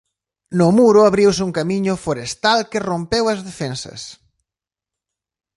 No muro abriuse un camiño forestal que rompeu as defensas.